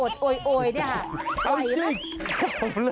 อดโอยค่ะไหวนะคะ